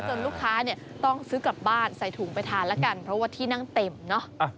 ลูกค้าเนี่ยต้องซื้อกลับบ้านใส่ถุงไปทานแล้วกันเพราะว่าที่นั่งเต็มเนอะ